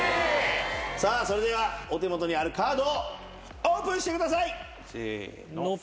それではお手元にあるカードをオープンしてください。